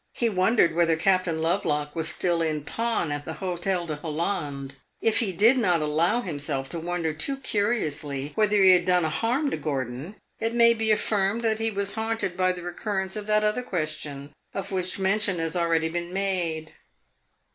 He wondered whether Captain Lovelock was still in pawn at the Hotel de Hollande. If he did not allow himself to wonder too curiously whether he had done a harm to Gordon, it may be affirmed that he was haunted by the recurrence of that other question, of which mention has already been made.